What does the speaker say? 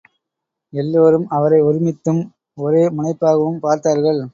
எல்லோரும், அவரை ஒருமித்தும், ஒரே முனைப்பாகவும் பார்த்தார்கள்.